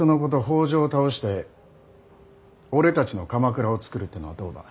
北条を倒して俺たちの鎌倉をつくるってのはどうだ。